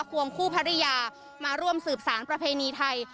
วงคู่ภรรยามาร่วมสืบสารประเพณีไทย